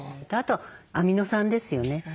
あとアミノ酸ですよね。